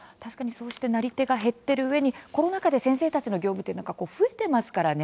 なり手が減っているうえんでコロナ禍で先生の業務が増えていますからね。